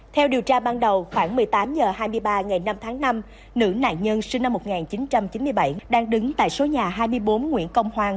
theo điều tra ban đầu khoảng một mươi tám h hai mươi ba ngày năm tháng năm nữ nạn nhân sinh năm một nghìn chín trăm chín mươi bảy đang đứng tại số nhà hai mươi bốn nguyễn công hoàng